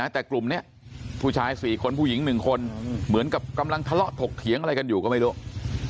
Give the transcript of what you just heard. แต่กลุ่มนี้ผู้ชาย๔คนผู้หญิง๑คนเหมือนกับกำลังทะเลาะถกเถียงอะไรกันอยู่ก็ไม่รู้